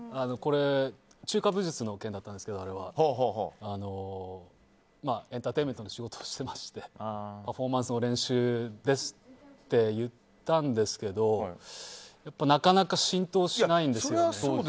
中華武術の剣だったんですけどエンターテインメントの仕事をしてましてパフォーマンスの練習ですって言ったんですけどそれはそうですよね